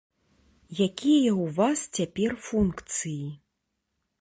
Якія ў вас цяпер функцыі?